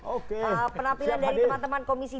oke penampilan dari teman teman komisi dua